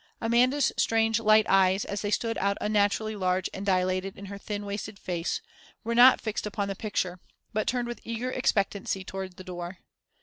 Amanda's strange, light eyes, as they stood out unnaturally large and dilated in her thin, wasted face, were not fixed upon the picture; but turned with eager expectancy towards the door.